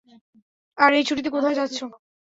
আর এই ছুটিতে কোথায় যাচ্ছো?